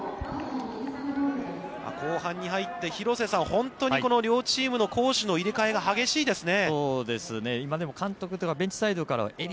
後半に入って廣瀬さん、本当にこの両チームの攻守の入れかえが激しいですね。